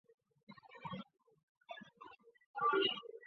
所以丽莎把班德到弗林克教授的实验室。